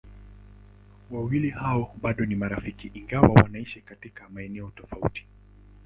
Wawili hao bado ni marafiki ingawa wanaishi katika maeneo tofauti.